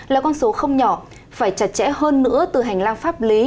là con số không nhỏ phải chặt chẽ hơn nữa từ hành lang pháp lý